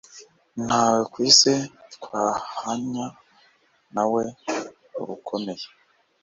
ntawe kw'si twahahwanya nawe urakomeye